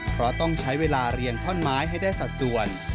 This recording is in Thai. เพราะต้องใช้เวลาเรียงท่อนไม้ให้ได้สัดส่วน